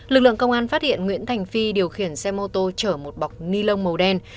lực lượng công an phát hiện nguyễn thành phi điều khiển xe mô tô chở một bọc ni lông màu đen